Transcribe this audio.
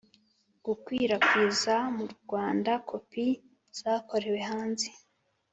Gukwirakiza mu Rwanda kopi zakorewe hanze